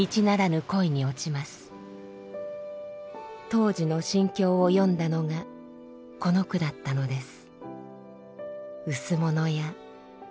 当時の心境を詠んだのがこの句だったのです。